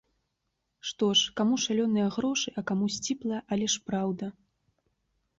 Што ж, каму шалёныя грошы, а каму сціплая, але ж праўда.